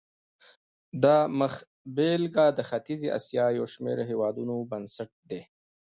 دا مخبېلګه د ختیځې اسیا یو شمېر هېوادونو بنسټ دی.